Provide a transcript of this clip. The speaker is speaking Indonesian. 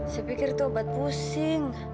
saya pikir itu obat pusing